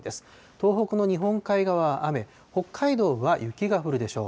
東北の日本海側、雨、北海道は雪が降るでしょう。